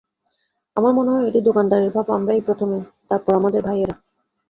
আমার মনে হয়, এটি দোকানদারির ভাব আমরাই প্রথমে, তারপর আমাদের ভাই-এরা।